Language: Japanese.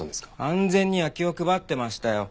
安全には気を配ってましたよ。